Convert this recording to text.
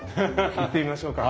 行ってみましょうか。